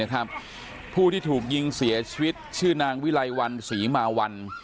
ผู้ที่ถูกยิงเสียชีวิตชื่อนางวิไลวันศรีมาวัน